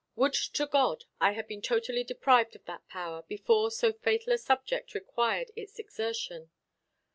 Would to God I had been totally deprived of that power before so fatal a subject required its exertion.